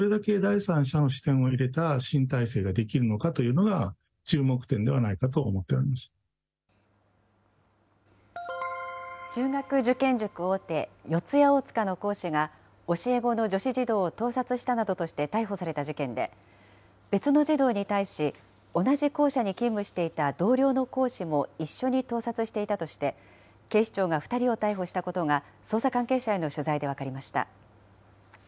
一方、ガバナンスの視点から見るとこれだけでは問題が残るとしたうえで。中学受験塾大手、四谷大塚の講師が、教え子の女子児童を盗撮したなどとして逮捕された事件で、別の児童に対し、同じ校舎に勤務していた同僚の講師も一緒に盗撮していたとして、警視庁が２人を逮捕したことが、捜査関係者への取材で分かりました。